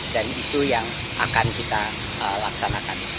dan itu yang akan kita laksanakan